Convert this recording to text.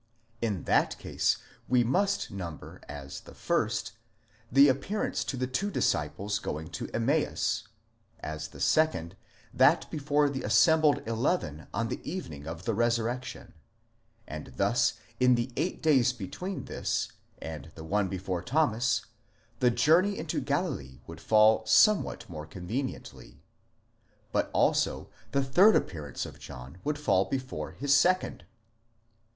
In that case, we must number as the first, the appearance to the two disciples going to Emmaus ; as the second, that before the assembled eleven on the evening of the resurrection: and thus in the eight days between this and the one before Thomas, the journey into Galilee would fall somewhat more conveniently,—but also the third appearance of John would fall before his second.